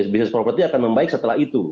bisnis property akan membaik setelah itu